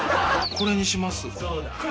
これにします。